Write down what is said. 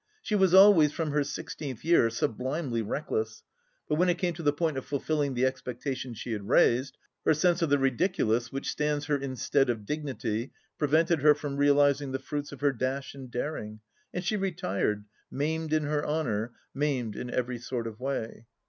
She was always, from her sixteenth year, sub limely reckless, but when it came to the point of fulfilling the expectation she had raised, her sense of the ridiculous, which stands her in stead of dignity, prevented her from realizing the fruits of her dash and daring, and she retired, maimed in her honour, maimed in every sort of way.